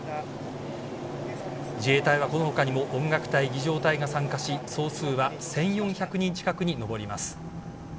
自衛隊は、この他にも音楽隊、儀仗隊が参加し総数は１４００人近くに上ります。